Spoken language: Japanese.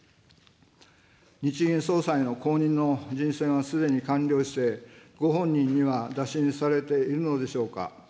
日銀総裁の後任の人選はすでに完了して、ご本人には打診されているのでしょうか。